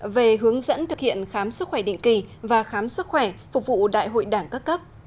về hướng dẫn thực hiện khám sức khỏe định kỳ và khám sức khỏe phục vụ đại hội đảng các cấp